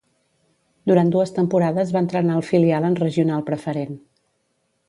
Durant dues temporades va entrenar el filial en Regional Preferent.